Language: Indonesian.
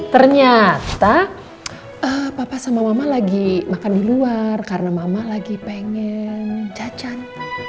ternyata papa sama mama lagi makan di luar karena mama lagi pengen cacat